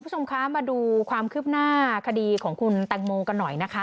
คุณผู้ชมคะมาดูความคืบหน้าคดีของคุณแตงโมกันหน่อยนะคะ